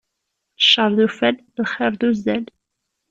Cceṛ d uffal, lxiṛ d uzzal.